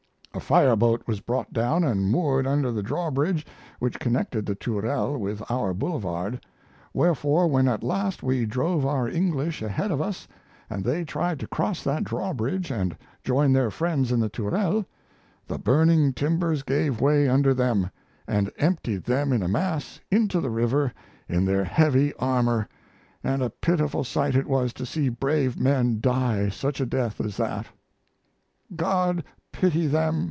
A fireboat was brought down and moored under the drawbridge which connected the Tourelles with our boulevard; wherefore, when at last we drove our English ahead of us, and they tried to cross that drawbridge and join their friends in the Tourelles, the burning timbers gave way under them and emptied them in a mass into the river in their heavy armor and a pitiful sight it was to see brave men die such a death as that. "God pity them!"